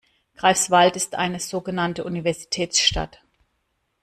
Greifswald ist eine so genannte Universitätsstadt.